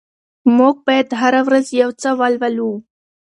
موږ بايد هره ورځ يو څه ولولو.